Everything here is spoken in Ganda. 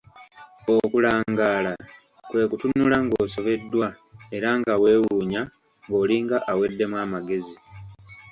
Okulangaala kwe kutunula ng'osobeddwa era nga weewuunya ng'olinga aweddemu amagezi.